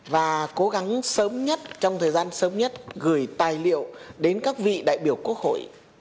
và cố gắng sớm nhất trong thời gian sớm nhất gửi tài liệu đến các vị đại biểu quốc hội